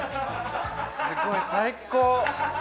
すごい最高。